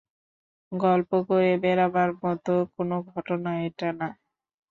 গল্প করে বেড়াবার মতো কোনো ঘটনা এটা না।